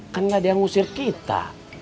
kan gak ada yang ngusir kita